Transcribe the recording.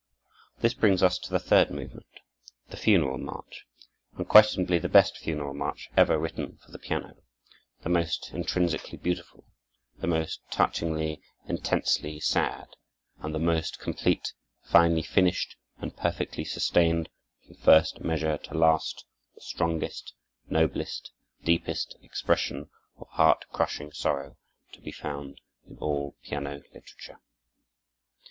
This brings us to the third movement, the Funeral March, unquestionably the best funeral march ever written for the piano, the most intrinsically beautiful, the most touchingly, intensely sad, and the most complete, finely finished, and perfectly sustained, from first measure to last; the strongest, noblest, deepest expression of heart crushing sorrow to be found in all piano literature.